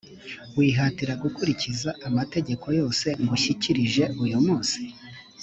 wihatira gukurikiza amategeko yose ngushyikirije uyu munsi?,